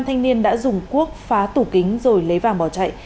thanh niên đã dùng cuốc phá tủ kính rồi lấy vàng bỏ chạy